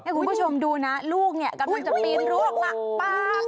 ให้คุณผู้ชมดูนะลูกกำลังจะปีนลวกมาปั๊บ